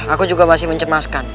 aku juga masih mencemaskan